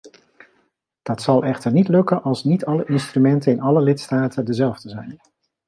Dat zal echter niet lukken als niet alle instrumenten in alle lidstaten dezelfde zijn.